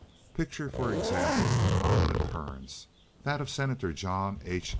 Picture, for example, a common occurrence—that of Senator John H.